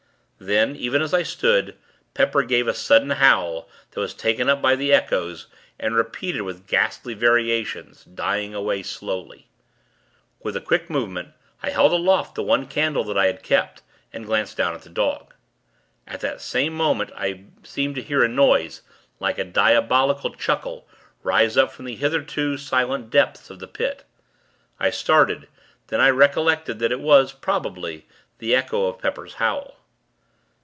Then, even as I stood, Pepper gave a sudden howl, that was taken up by the echoes, and repeated with ghastly variations, dying away, slowly. With a quick movement, I held aloft the one candle that I had kept, and glanced down at the dog; at the same moment, I seemed to hear a noise, like a diabolical chuckle, rise up from the hitherto, silent depths of the Pit. I started; then, I recollected that it was, probably, the echo of Pepper's howl.